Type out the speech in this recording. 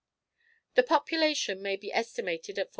The population may be estimated at 400.